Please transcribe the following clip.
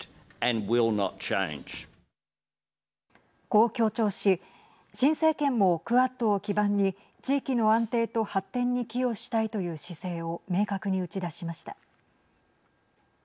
こう強調し新政権もクアッドを基盤に地域の安定と発展に寄与したいという姿勢を明確に打ち出しました。